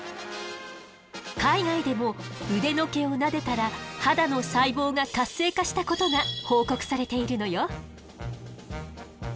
海外でも腕の毛をなでたら肌の細胞が活性化したことが報告されているのよ。